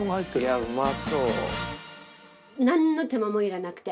いやうまそう。